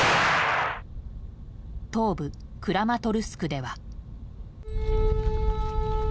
東部クラマトルスクでは。